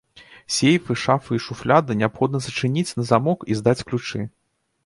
Сейфы, шафы і шуфляды неабходна зачыніць на замок і здаць ключы.